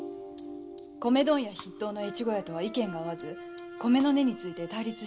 米問屋筆頭の越後屋とは意見が合わず米の値について対立しておりました。